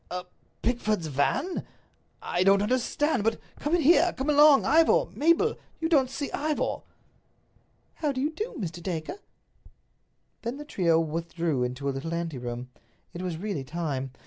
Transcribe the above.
"A Pickford's van? I don't understand. But come in here. Come along, Ivor. Mabel, you don't see Ivor." "How do you do, Mr. Dacre?" Then the trio withdrew into a little anteroom; it was really time.